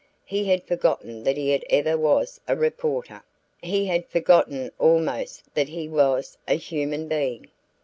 He had forgotten that he ever was a reporter he had forgotten almost that he was a human being.